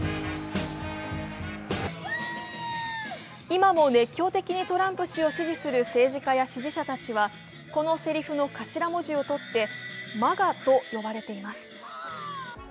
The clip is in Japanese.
今も熱狂的にトランプ氏を支持する政治家や支持者たちはこのせりふの頭文字をとってＭＡＧＡと呼ばれています。